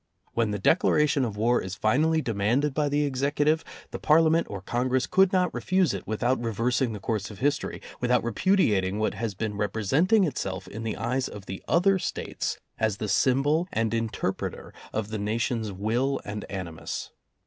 When the declaration of war is finally demanded by the Executive, the Parlia ment or Congress could not refuse it without reversing the course of history, without repudiat ing what has been representing itself in the eyes of the other States as the symbol and interpreter [ 173] of the nation's will and animus.